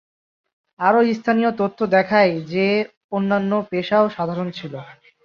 আরও স্থানীয় তথ্য দেখায় যে অন্যান্য পেশাও সাধারণ ছিল।